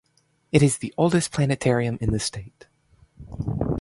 It is the oldest planetarium in the state.